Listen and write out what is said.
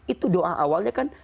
itu doa awalnya kan